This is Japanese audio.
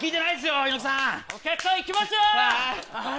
お客さんいきますよ！